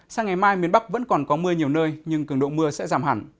sang ngày mai miền bắc vẫn còn có mưa nhiều nơi nhưng cường độ mưa sẽ giảm hẳn